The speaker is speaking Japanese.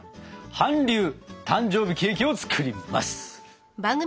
韓流誕生日ケーキを作ります！